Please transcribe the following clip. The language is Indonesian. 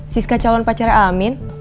siska calon pacarnya amin